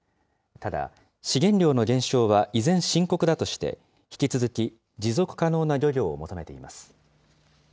ただ、資源量の減少は依然、深刻だとして、引き続き持続可能な漁業を求めています。